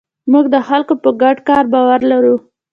موږ د خلکو په ګډ کار باور لرو.